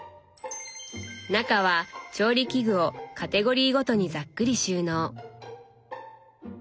中は調理器具をカテゴリーごとにざっくり収納。